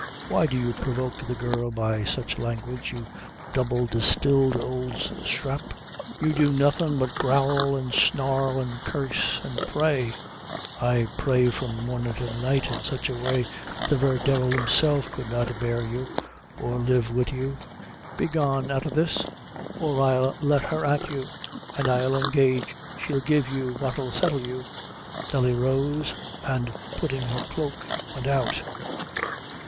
Why do you provoke the girl by sich language, you double distilled ould sthrap? you do nothin' but growl an' snarl, an' curse, an' pray ay, pray, from mornin' to night, in sich a way, that the very devil himself could not bear you, or live wid you. Begone out o' this, or I'll let her at you, an' I'll engage she'll give you what'll settle you." Nelly rose, and putting on her cloak went out.